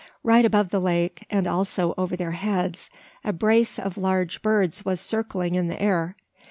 Right above the lake, and also over their heads, a brace of large birds was circling in the air.